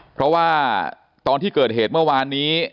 เพราะว่าตอนที่เกิดเหตุเมื่อวานนี้